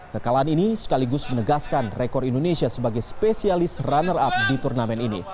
kekalahan ini sekaligus menegaskan rekor indonesia sebagai spesialis runner up di turnamen ini